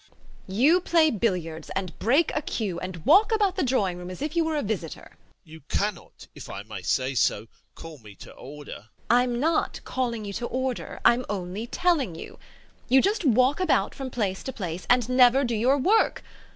[To EPIKHODOV] You play billiards and break a cue, and walk about the drawing room as if you were a visitor! EPIKHODOV. You cannot, if I may say so, call me to order. VARYA. I'm not calling you to order, I'm only telling you. You just walk about from place to place and never do your work.